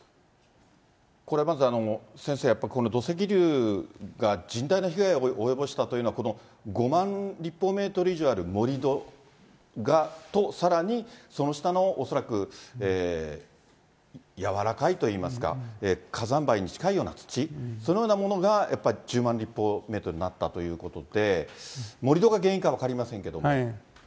これまず、先生、やっぱり土石流が甚大な被害を及ぼしたというのは、５万立方メートル以上ある盛り土とさらに、その下の恐らく柔らかいといいますか、火山灰に近いような土、そのようなものが、１０万立方メートルになったということで、盛り土が原因か分かりませんけども。